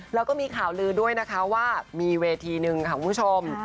แล้วก็มีข่าวลือด้วยนะคะว่ามีเวทีหนึ่งค่ะคุณผู้ชม